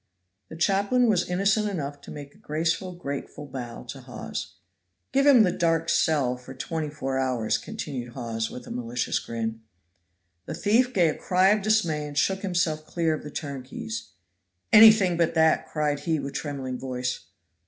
The chaplain was innocent enough to make a graceful grateful bow to Hawes. "Give him the dark cell for twenty four hours," continued Hawes with a malicious grin. The thief gave a cry of dismay and shook himself clear of the turnkeys. "Anything but that," cried he with trembling voice.